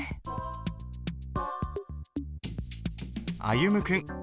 歩夢君。